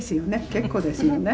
結構ですよね」